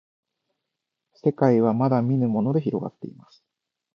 せかいはまだみぬものでひろがっています